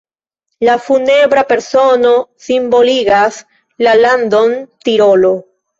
La funebra persono simboligas la landon Tirolo.